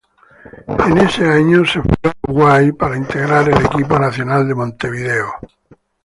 En ese año se fue a Uruguay para integrar el equipo Nacional de Montevideo.